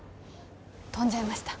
飛んじゃいました